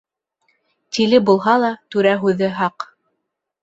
Тиле булһа ла түрә һүҙе хаҡ.